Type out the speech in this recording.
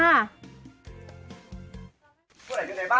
โอ้โห